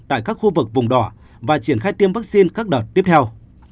tại các khu vực vùng đỏ và triển khai tiêm vaccine các đợt tiếp theo